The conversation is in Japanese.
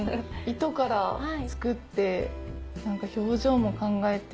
糸から作って表情も考えて。